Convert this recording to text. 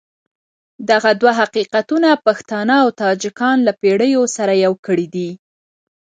دغه دوه حقیقتونه پښتانه او تاجکان له پېړیو سره يو کړي دي.